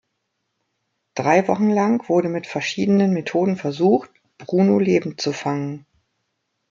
Drei Wochen lang wurde mit verschiedenen Methoden versucht, Bruno lebend zu fangen.